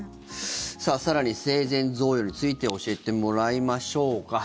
更に生前贈与について教えてもらいましょうか。